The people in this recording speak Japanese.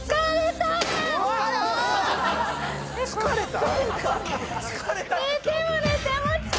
疲れた？